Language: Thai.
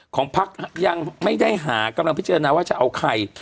ของพักยังไม่ได้หากำลังพิจารณาว่าจะเอาใคร